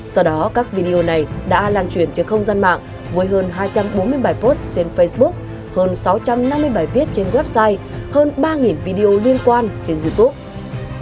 sau đó các video này đã lan truyền trên không gian mạng với hơn hai trăm bốn mươi bài post trên facebook hơn sáu trăm năm mươi bài viết trên website hơn ba video liên quan trên youtube